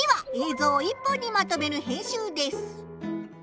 ぞうを１本にまとめる編集です。